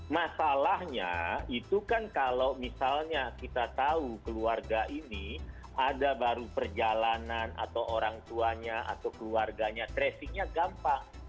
masalahnya itu kan kalau misalnya kita tahu keluarga ini ada baru perjalanan atau orang tuanya atau keluarganya tracingnya gampang